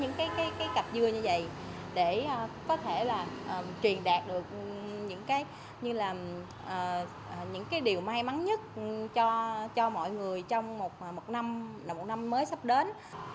cho nên là em muốn vẽ những cái cặp dưa như vậy để có thể là truyền đạt được những cái như là những cái điều may mắn nhất cho mọi người trong một năm mới sắp đến